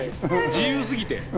自由すぎて。